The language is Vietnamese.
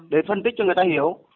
để phân tích cho người ta hiểu